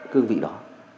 cương vị đó